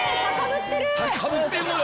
高ぶってんのよ。